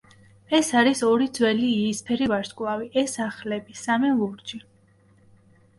ეს არის ორი ძველი იისფერი ვარსკვლავი. ეს ახლები; სამი ლურჯი.